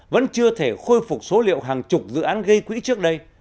vẫn chưa thể khôi phục số liệu hàng chục dự án gây quỹ trước đây